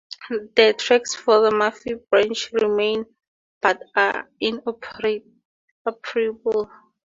The tracks for the Murphy Branch remain but are inoperable.